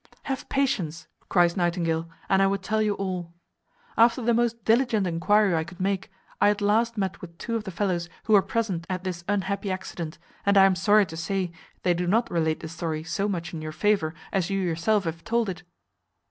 "Have patience," cries Nightingale, "and I will tell you all. After the most diligent enquiry I could make, I at last met with two of the fellows who were present at this unhappy accident, and I am sorry to say, they do not relate the story so much in your favour as you yourself have told it."